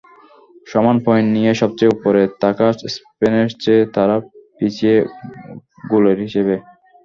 সমান পয়েন্ট নিয়ে সবচেয়ে ওপরে থাকা স্পেনের চেয়ে তারা পিছিয়ে গোলের হিসেবে।